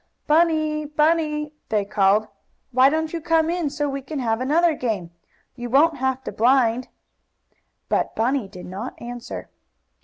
"Bunny! Bunny!" they called. "Why don't you come in, so we can have another game? You won't have to blind." But Bunny did not answer.